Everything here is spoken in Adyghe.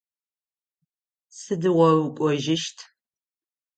Сыдыгъо укӏожьыщт?